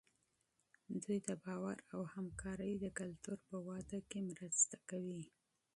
دوی د باور او همکارۍ د کلتور په وده کې مرسته کوي.